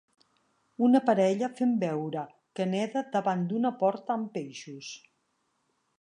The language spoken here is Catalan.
Una parella fent veure que neda davant d'una porta amb peixos.